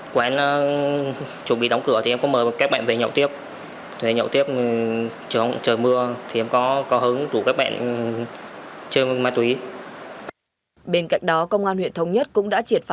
quán chuẩn bị đóng cửa thì em có mời các bạn về nhậu tiếp